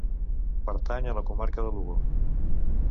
Pertany a la Comarca de Lugo.